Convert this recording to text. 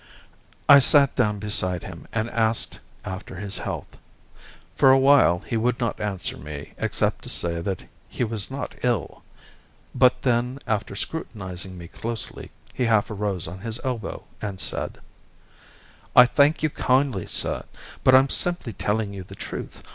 I sat down beside him and asked after his health. For a while he would not answer me except to say that he was not ill; but then, after scrutinising me closely, he half arose on his elbow and said: "I thank you kindly, sir, but I'm simply telling you the truth.